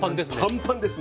パンパンです